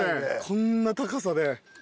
こんな高さで。